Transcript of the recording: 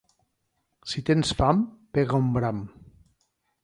Si tens fam, pega un bram.